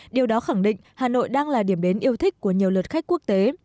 điều đó khẳng định hà nội đang là điểm đến yêu thích của nhiều lượt khách quốc tế